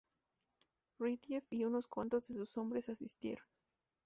Retief y unos cuantos de sus hombres asistieron.